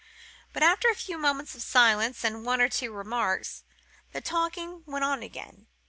But after a few moments of silence, and one or two remarks, the talking went on again.